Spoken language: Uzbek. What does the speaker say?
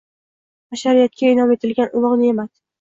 Bashariyatga inʼom etilgan ulugʻ neʼmat